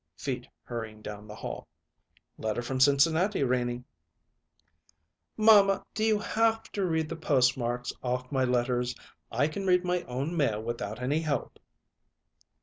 Feet hurrying down the hall. "Letter from Cincinnati, Renie." "Mamma, do you have to read the postmarks off my letters? I can read my own mail without any help."